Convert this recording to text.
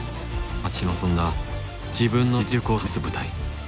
待ち望んだ自分の実力を試す舞台。